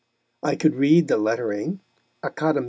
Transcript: I could read the lettering _Académ.